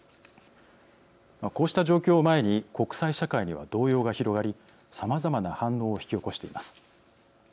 こうした状況を前に国際社会には動揺が広がりさまざまな反応を引き起こしています。